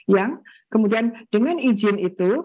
yang kemudian dengan izin itu